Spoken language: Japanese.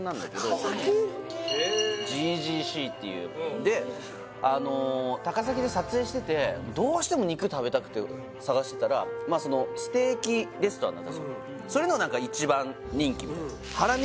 ＧＧＣっていうで高崎で撮影しててどうしても肉食べたくて探してたらステーキレストランだったんですよ肉！